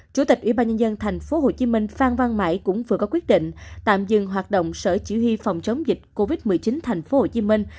chủ tịch ủy ban nhân dân thành phố hồ chí minh phan văn mãi cũng vừa có quyết định tạm dừng hoạt động sở chỉ huy phòng chống dịch covid một mươi chín thành phố hồ chí minh